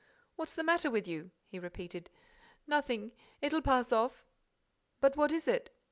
"What's the matter with you?" he repeated. "Nothing—it'll pass off—" "But what is it?"